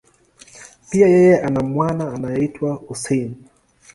Pia, yeye ana mwana anayeitwa Hussein.